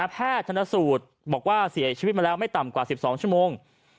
แพทย์ชนสูตรบอกว่าเสียชีวิตมาแล้วไม่ต่ำกว่า๑๒ชั่วโมง